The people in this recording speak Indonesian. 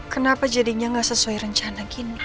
kenapa jadinya gak sesuai rencana gini